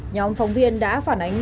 nhóm phóng viên đã phản ánh